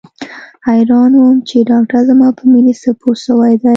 حيران وم چې ډاکتر زما په مينې څه پوه سوى دى.